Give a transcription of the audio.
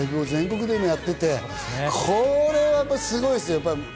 全国でやっていて、これはすごいですよ。